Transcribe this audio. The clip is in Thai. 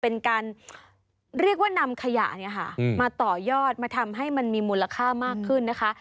เป็นการเรียกว่านำขยะเนี่ยค่ะมาต่อยอดมาทำให้มันมีมูลค่ามากขึ้นนะคะ